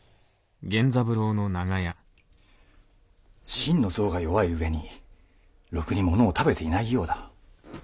心の臓が弱いうえにロクに物を食べていないようだ。